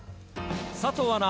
佐藤アナ